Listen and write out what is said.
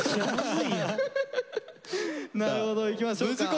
なるほどいきましょうか。